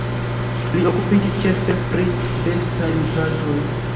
Li okupiĝis ĉefe pri bestaj nutraĵoj.